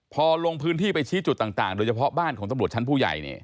พอลงพื้นที่ไปชี้จุดต่างโดยเฉพาะบ้านของตำรวจชั้นผู้ใหญ่เนี่ย